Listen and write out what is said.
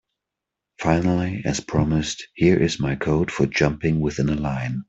Finally, as promised, here is my code for jumping within a line.